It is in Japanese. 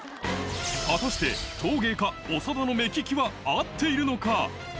果たして陶芸家、長田の目利きは合っているのか。